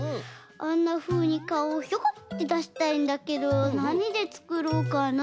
あんなふうにかおをひょこってだしたいんだけどなにでつくろうかな？